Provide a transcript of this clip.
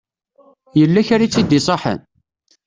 Yella kra i tt-id-iṣaḥen?